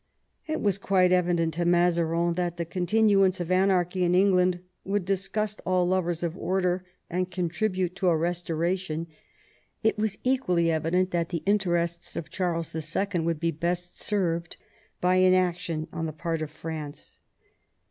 It was quite evident to Mazarin that the continuance of anarchy in England would disgust all lovers of order and contribute to a restoration; it was equally evident that the interests of Charles IL would be best served by inaction on the part of France.